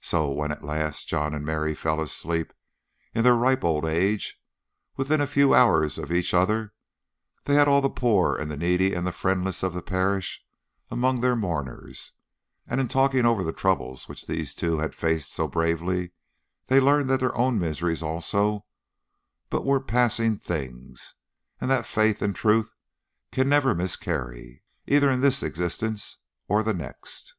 So when at last John and Mary fell asleep in their ripe old age, within a few hours of each other, they had all the poor and the needy and the friendless of the parish among their mourners, and in talking over the troubles which these two had faced so bravely, they learned that their own miseries also were but passing things, and that faith and truth can never miscarry, either in this existence or the next.